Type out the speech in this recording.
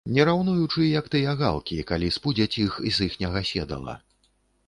Не раўнуючы, як тыя галкі, калі спудзяць іх з іхняга седала.